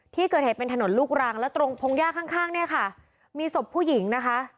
ที่เกิดเห็นเป็นถนนลูกรางและตรงพงยาข้างมีสบผู้หญิงนะคะ